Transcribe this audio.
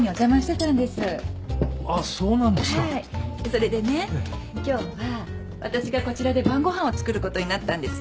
それでね今日は私がこちらで晩ご飯を作ることになったんですよ。